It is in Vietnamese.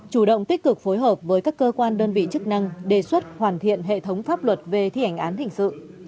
chủ động tích cực phối hợp với các cơ quan đơn vị chức năng đề xuất hoàn thiện hệ thống pháp luật về thi hành án hình sự